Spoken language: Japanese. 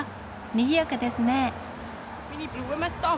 にぎやかですね。